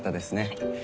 はい。